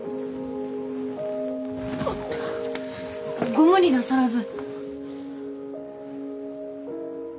ご無理なさらず。